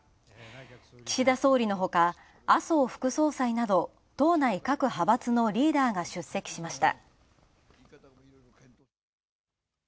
岸田総理のほか、麻生副総裁など党内各派閥のリーダーが出席しました。